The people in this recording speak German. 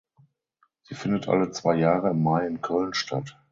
Sie findet alle zwei Jahre im Mai in Köln statt.